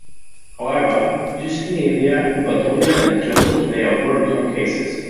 However, dyskinesia, hypertonia, and clonus may occur in some cases.